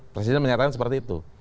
presiden menyatakan seperti itu